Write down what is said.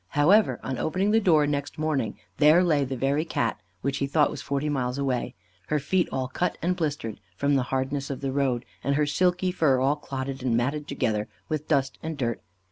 However, on opening the door next morning, there lay the very Cat which he thought was forty miles away, her feet all cut and blistered, from the hardness of the road, and her silky fur all clotted and matted together with dust and dirt.